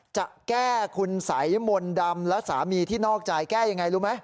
จะแก้คุณสัยมนต์ดำและสามีที่นอกใจแก้ยังไงรู้ไหม